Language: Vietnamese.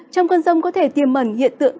trong cơn rông có thể tìm mẩn hiện tượng